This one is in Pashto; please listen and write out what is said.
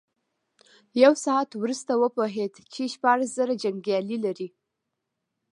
يو ساعت وروسته وپوهېد چې شپاړس زره جنيګالي لري.